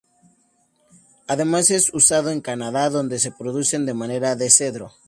Además es usada en Canadá, donde se producen de madera de cedro.